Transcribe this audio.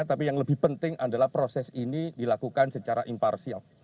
tapi yang lebih penting adalah proses ini dilakukan secara imparsial